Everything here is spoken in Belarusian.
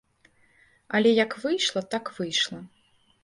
Але як выйшла, так выйшла.